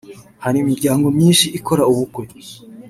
Hari imiryango myinshi ikora ubukwe